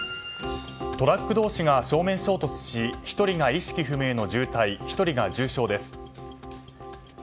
トラック同士が正面衝突し１人が意識不明の重体１人が重傷です。